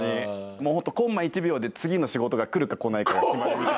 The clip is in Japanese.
もうホントコンマ１秒で次の仕事が来るか来ないか決まるみたいな。